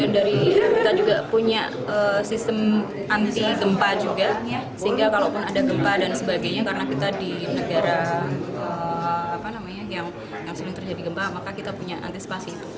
dan kita juga punya sistem anti gempa juga sehingga kalau ada gempa dan sebagainya karena kita di negara yang sebelum terjadi gempa maka kita punya antisipasi itu